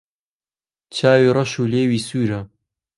چاوی رەش و لێوی سوورە